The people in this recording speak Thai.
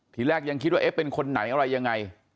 ทีแรกยังคิดว่าเอ๊ะเป็นคนไหนอะไรยังไง